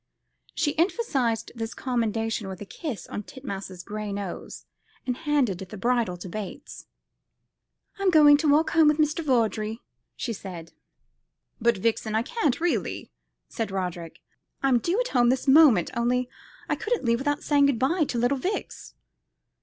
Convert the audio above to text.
She emphasised this commendation with a kiss on Titmouse's gray nose, and handed the bridle to Bates. "I'm going to walk home with Mr. Vawdrey," she said. "But, Vixen, I can't, really," said Roderick; "I'm due at home at this moment, only I couldn't leave without saying good bye to little Vix."